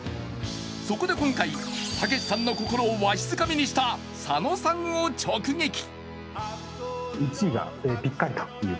そこで今回、たけしさんの心をわしづかみにした、佐野さんを直撃！